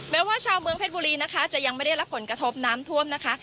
แม้ว่าชาวเมืองเพชรบุรีนะคะจะยังไม่ได้รับผลกระทบน้ำท่วมนะคะ